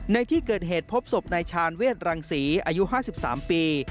ในที่เกิดเหตุพบศพนายชาญเวทรังศรีอายุ๕๓ปี